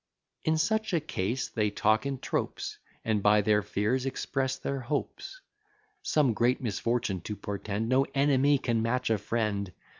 In such a case, they talk in tropes, And by their fears express their hopes: Some great misfortune to portend, No enemy can match a friend.